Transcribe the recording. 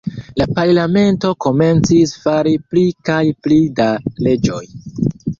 La parlamento komencis fari pli kaj pli da leĝoj.